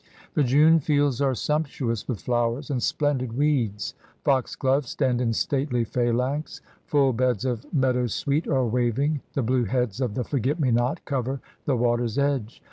The June fields are sumptuous with flowers and splendid weeds. Fox gloves stand in stately phalanx, full beds of meadowsweet are waving, the blue heads of the forget me not cover the water's edge.